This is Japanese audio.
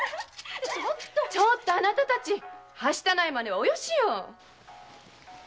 ちょっとあなたたちはしたない真似はおよしよ。